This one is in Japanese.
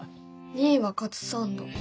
２位はカツサンド。